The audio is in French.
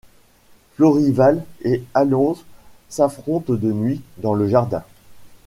Florival et Alonze s'affrontent de nuit dans le jardin.